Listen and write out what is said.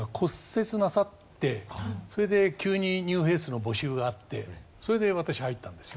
それで急にニューフェイスの募集があってそれで私入ったんですよ。